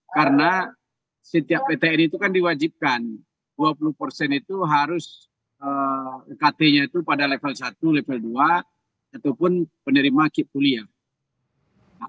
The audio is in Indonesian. karena setiap ptn itu kan diwajibkan dua puluh itu harus kt nya itu pada level satu level dua ataupun penerima kip kuliah